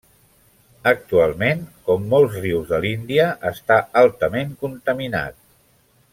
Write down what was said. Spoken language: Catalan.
Actualment, com molts rius de l'Índia, està altament contaminat.